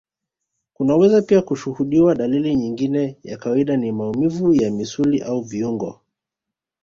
kunaweza pia kushuhudiwa dalili nyingine ya kawaida ni maumivu ya misuli au viungo